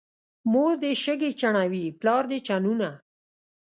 مور دې شګې چڼوي، پلار دې چنونه.